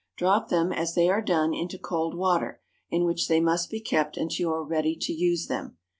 Drop them, as they are done, into cold water, in which they must be kept until you are ready to use them.